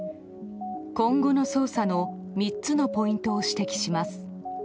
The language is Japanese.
今後の捜査の３つのポイントを指摘します。